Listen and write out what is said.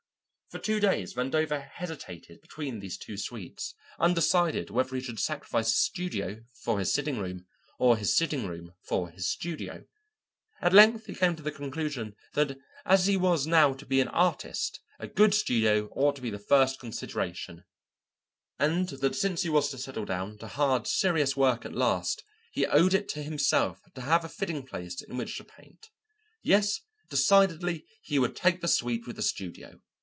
For two days Vandover hesitated between these two suites, undecided whether he should sacrifice his studio for his sitting room, or his sitting room for his studio. At length he came to the conclusion that as he was now to be an artist a good studio ought to be the first consideration, and that since he was to settle down to hard, serious work at last he owed it to himself to have a fitting place in which to paint; yes, decidedly he would take the suite with the studio.